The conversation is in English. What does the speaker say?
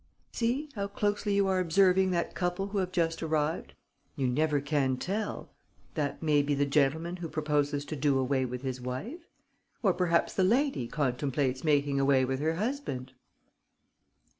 See, how closely you are observing that couple who have just arrived. You never can tell: that may be the gentleman who proposes to do away with his wife? Or perhaps the lady contemplates making away with her husband?"